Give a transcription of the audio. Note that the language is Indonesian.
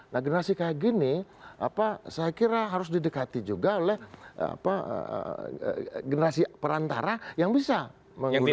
nah generasi kayak gini saya kira harus didekati juga oleh generasi perantara yang bisa menggunakan